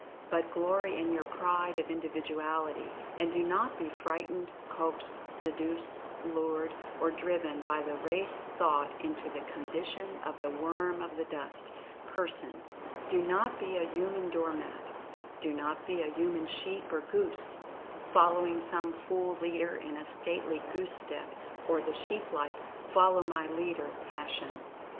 But glory in your Pride of Individuality, and do not be frightened, coaxed, seduced, lured, or driven by the Race Thought into the condition of "the worm of the dust" person — do not be a "human door mat" — do not be a human sheep or goose, following some fool leader in a stately goose step, or the sheep like "follow my leader" fashion.